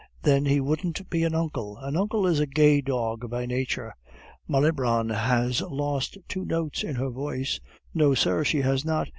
"Then he wouldn't be an uncle an uncle is a gay dog by nature." "Malibran has lost two notes in her voice." "No, sir, she has not."